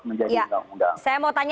saya mau tanya langsung ke bang abalin